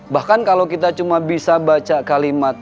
bahkan kalau kita cuma bisa baca kalimat